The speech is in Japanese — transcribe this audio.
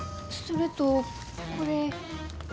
それとこれ。